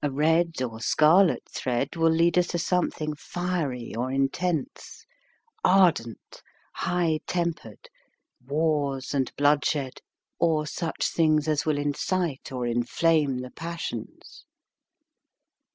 A red, or scarlet thread, will lead us to something fiery or intense, ardent, high tempered, wars and bloodshed, or such things as will incite or inflame the passions.